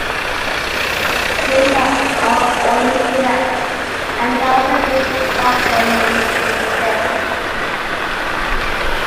These are all incorrect and are simply backronyms from "sic".